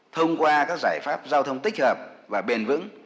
thông qua các giải pháp giao thông tích hợp và bền vững